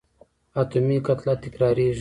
اتومي کتله تکرارېږي.